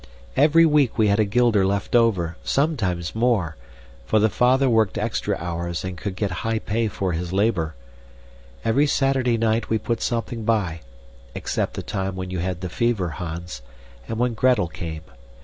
Every week we had a guilder left over, sometimes more; for the father worked extra hours and could get high pay for his labor. Every Saturday night we put something by, except the time when you had the fever, Hans, and when Gretel came.